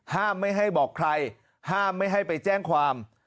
ไม่ให้บอกใครห้ามไม่ให้ไปแจ้งความ